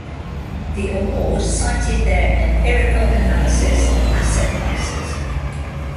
The award cited their empirical analysis of asset prices.